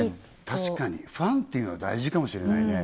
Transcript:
確かにファンっていうのは大事かもしれないね